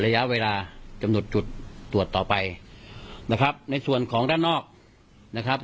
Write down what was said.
ระยะเวลากำหนดจุดตรวจต่อไปนะครับในส่วนของด้านนอกนะครับ